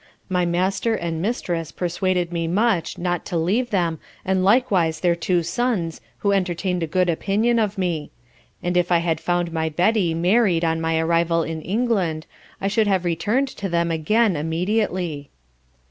My Master and Mistress persuaded me much not to leave them and likewise their two Sons who entertained a good opinion of me; and if I had found my Betty married on my arrival in England, I should have returned to them again immediately.